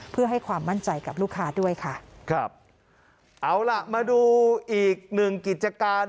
เพื่อให้ความมั่นใจกับลูกค้าด้วยค่ะครับเอาล่ะมาดูอีกหนึ่งกิจการ